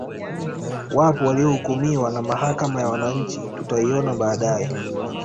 Wapo waliohukumiwa na Mahakama ya wananchi tutaiona baadae